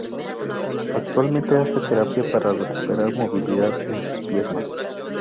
Actualmente hace terapia para recuperar movilidad en sus piernas.